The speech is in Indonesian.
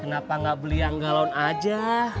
kenapa nggak beli yang galon aja